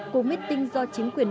cũng biết tin do chính quyền